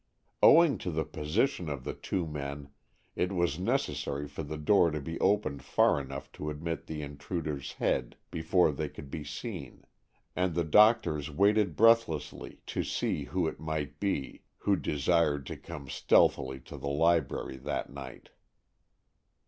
Owing to the position of the two men, it was necessary for the door to be opened far enough to admit the intruder's head before they could be seen, and the doctors waited breathlessly to see who it might be who desired to come stealthily to the library that night.